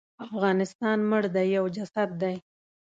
افغانستان مړ دی یو جسد دی.